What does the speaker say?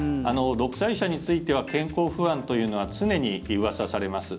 独裁者については健康不安というのは常にうわさされます。